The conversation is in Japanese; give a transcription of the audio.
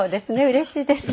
うれしいです。